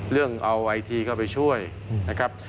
เรื่องเอาไอทีเข้าไปช่วยนะครับ